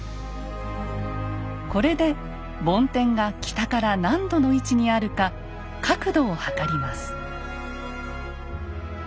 これで梵天が北から何度の位置にあるか角度を測ります。